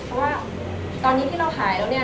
เพราะว่าตอนนี้ที่เราหายแล้วเนี่ย